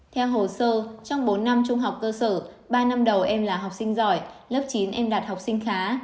theo hồ sơ trong bốn năm trung học cơ sở ba năm đầu em là học sinh giỏi lớp chín em đạt học sinh khá